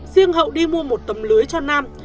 riêng hậu đi mua một tấm lưới cho nam